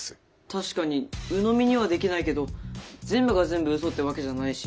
確かにうのみにはできないけど全部が全部うそってわけじゃないし。